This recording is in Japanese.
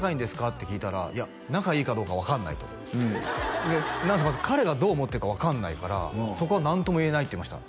って聞いたら「いや仲いいかどうか分かんない」とで何せまず彼がどう思ってるか分かんないからそこは何とも言えないって言ってました